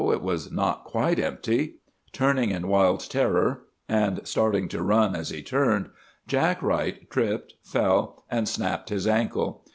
It was not quite empty! Turning in wild terror, and starting to run as he turned, Jack Wright tripped, fell, and snapped his ankle.